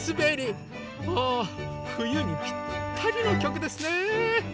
ああふゆにぴったりのきょくですね。